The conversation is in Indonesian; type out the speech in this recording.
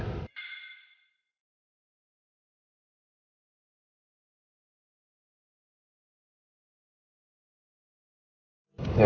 dia sudah berjalan